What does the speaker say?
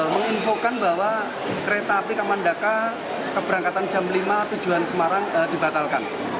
menginfokan bahwa kereta api kamandaka keberangkatan jam lima tujuan semarang dibatalkan